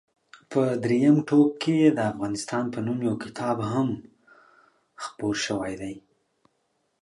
په درېیم ټوک کې د افغانستان په نوم یو کتاب هم خپور شوی دی.